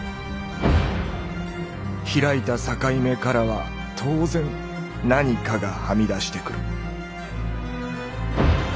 ひらいた「境目」からは当然「何か」がはみ出してくる。